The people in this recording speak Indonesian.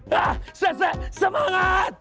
hah sese semangat